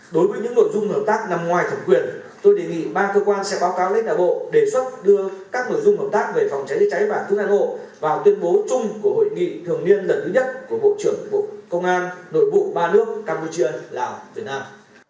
đối với những nội dung hợp tác nằm ngoài thẩm quyền tôi đề nghị ba cơ quan sẽ báo cáo lấy đả bộ đề xuất đưa các nội dung hợp tác về phòng cháy chữa cháy và cứu nạn hộ vào tuyên bố chung của hội nghị thường niên lần thứ nhất của bộ trưởng bộ công an nội bộ ba nước campuchia lào việt nam